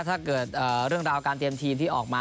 ถ้าเกิดเรื่องราวการเตรียมทีมที่ออกมา